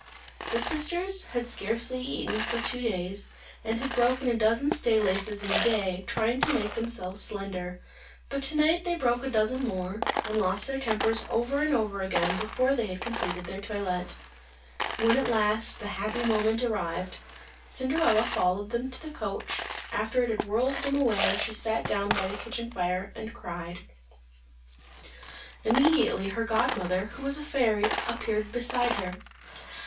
The sisters had scarcely eaten for two days, and had broken a dozen stay laces a day, in trying to make themselves slender; but to night they broke a dozen more, and lost their tempers over and over again before they had completed their toilette. When at last the happy moment arrived, Cinderella followed them to the coach; after it had whirled them away, she sat down by the kitchen fire and cried. Immediately her godmother, who was a fairy, appeared beside her.